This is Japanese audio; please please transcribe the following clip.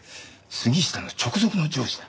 杉下の直属の上司だ。